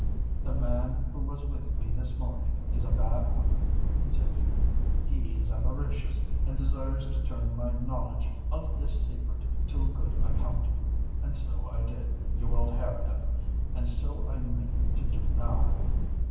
'The man who was with me this morning, is a bad one,' said you: 'he is avaricious, and desires to turn my knowledge of this secret to a good account.'—And so I did, you old harridan; and so I mean to do now.